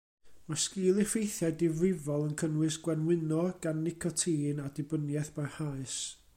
Mae sgil-effeithiau difrifol yn cynnwys gwenwyno gan nicotin a dibyniaeth barhaus.